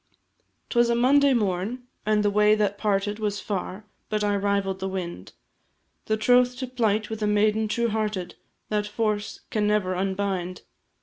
'Twas a Monday morn, and the way that parted Was far, but I rivall'd the wind, The troth to plight with a maiden true hearted, That force can never unbind.